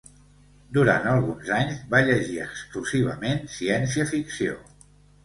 Durant alguns anys va llegir exclusivament ciència-ficció.